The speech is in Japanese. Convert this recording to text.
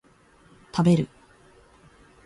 食べる